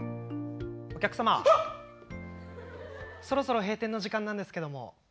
そろそろ閉店の時間なんですけども。